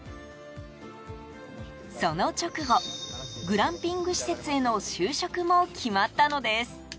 その直後、グランピング施設への就職も決まったのです。